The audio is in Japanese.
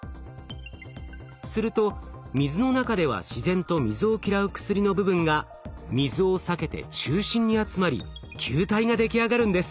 すると水の中では自然と水を嫌う薬の部分が水を避けて中心に集まり球体が出来上がるんです。